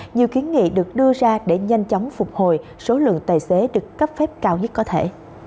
nhiều kiến nghị được đưa ra để nhanh chóng phục hồi số lượng tài xế được cấp phép cao nhất có thể